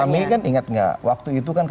kami kan ingat nggak waktu itu kan